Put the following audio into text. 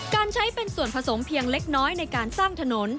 การใช้เป็นส่วนผสมเพียงเล็กน้อยในการสร้างถนน